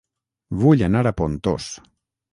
Vull anar a Pontós